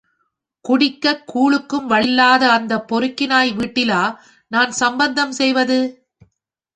குடிக்கக் கூழுக்கும் வழியில்லாத அந்தப் பொறுக்கி நாய் வீட்டிலா நான் சம்மந்தம் செய்வது?